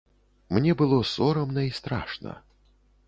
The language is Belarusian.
Мне было сорамна і страшна.